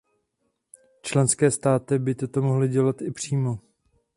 Členské státy by toto mohly dělat i přímo.